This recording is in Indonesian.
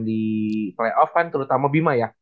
di playoff kan terutama bima ya